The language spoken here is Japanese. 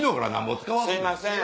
すいません。